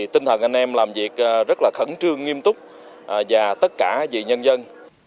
tinh thần anh em làm việc rất là khẩn trương nghiêm túc và tất cả vì nhân dân